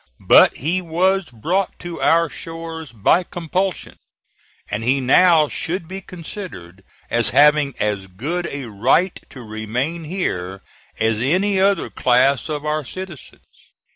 But he was brought to our shores by compulsion, and he now should be considered as having as good a right to remain here as any other class of our citizens.